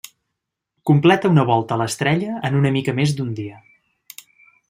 Completa una volta a l'estrella en una mica més d'un dia.